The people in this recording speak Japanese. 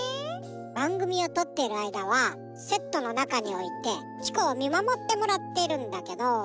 ばんぐみをとっているあいだはセットのなかにおいてチコをみまもってもらっているんだけど。